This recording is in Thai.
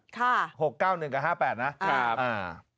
ค่ะ๖๙๑กับ๕๘นะครับ